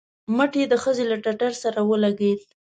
مټ يې د ښځې له ټټر سره ولګېد.